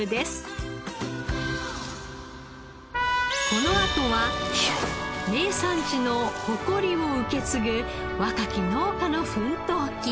このあとは名産地の誇りを受け継ぐ若き農家の奮闘記。